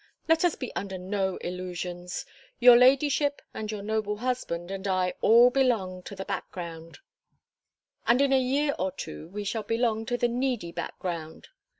Let us be under no illusions. Your ladyship and your noble husband and I all belong to the background; and in a year or two we shall belong to the needy background.